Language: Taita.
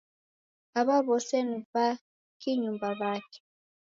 Aw'a w'ose ni w'akinyumba w'ake.